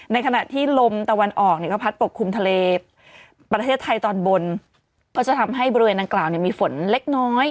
ในขณะที่ลมตะวันออกเนี่ยก็พัดปกคลุมทะเลประเทศไทยตอนบนก็จะทำให้บริเวณดังกล่าวมีฝนเล็กน้อย